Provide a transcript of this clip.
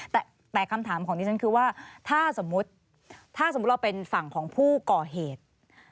แต่คำถามของดิฉันคือว่าถ้าสมมุติถ้าสมมุติเราเป็นฝั่งของผู้ก่อเหตุ